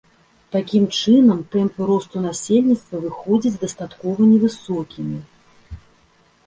Такім чынам, тэмпы росту насельніцтва выходзяць дастаткова невысокімі.